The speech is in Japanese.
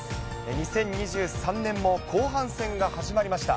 ２０２３年も後半戦が始まりました。